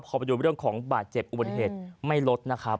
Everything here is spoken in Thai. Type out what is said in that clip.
พอมาดูเรื่องของบาดเจ็บบนเกตไม่ลดนะครับ